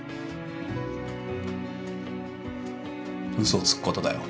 嘘をつくことだよ。